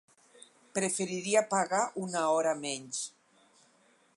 Preferiria pagar una hora menys.